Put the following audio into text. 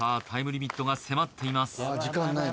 タイムリミットが迫っています